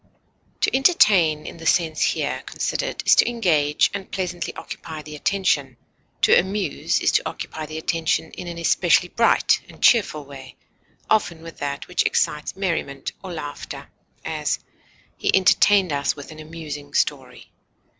To entertain, in the sense here considered, is to engage and pleasantly occupy the attention; to amuse is to occupy the attention in an especially bright and cheerful way, often with that which excites merriment or laughter; as, he entertained us with an amusing story.